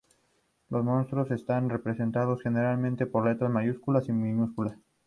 Los monstruos están representados generalmente por letras mayúsculas y minúsculas.